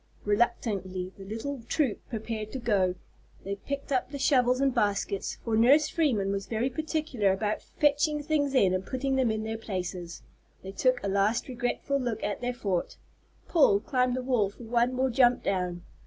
Reluctantly the little troop prepared to go. They picked up the shovels and baskets, for Nurse Freeman was very particular about fetching things in and putting them in their places. They took a last regretful look at their fort. Paul climbed the wall for one more jump down.